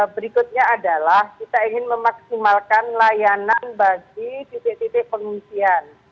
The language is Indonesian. berikutnya adalah kita ingin memaksimalkan layanan bagi titik titik pengungsian